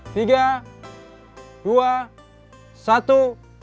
tiga dua satu